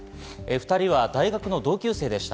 ２人は大学の同級生でした。